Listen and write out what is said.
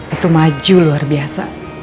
itu maju luar biasa